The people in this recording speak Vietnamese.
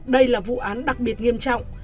đây là vụ án đặc biệt nghiêm trọng